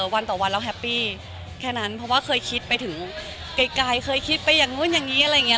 วันต่อวันเราแฮปปี้แค่นั้นเพราะว่าเคยคิดไปถึงไกลเคยคิดไปอย่างนู้นอย่างนี้อะไรอย่างนี้